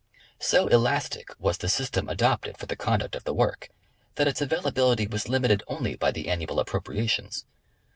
So elastic was the system adopted for the conduct of the work, that its availa bility was limited only by the annual appropriations.